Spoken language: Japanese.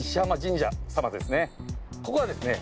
ここはですね